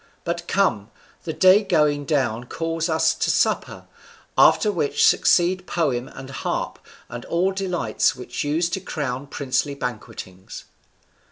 But come, the day going down calls us to supper, after which succeed poem and harp, and all delights which use to crown princely banquetings."